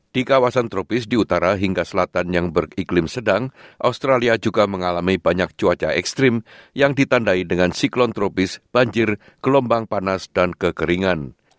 di kawasan tropis di utara hingga selatan yang beriklim sedang australia juga mengalami banyak cuaca ekstrim yang ditandai dengan siklon tropis banjir gelombang panas dan kekeringan